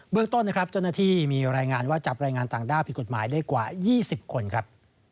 เรื่องต้นนะครับเจ้าหน้าที่มีรายงานว่าจับแรงงานต่างด้าวผิดกฎหมายได้กว่า๒๐คนครับ